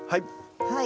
はい。